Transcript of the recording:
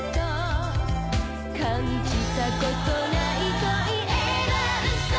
「感じたことないと言えば嘘」